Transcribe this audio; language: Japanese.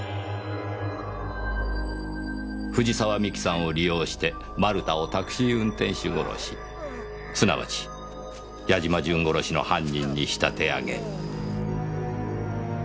藤沢美紀さんを利用して丸田をタクシー運転手殺しすなわち八嶋淳殺しの犯人に仕立て上げ。